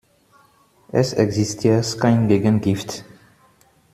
Es existiert kein Gegengift.